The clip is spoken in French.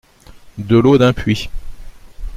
De l’eau d’un puits.